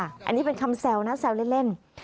อันนี้เป็นคำแซวนะแซวเล่น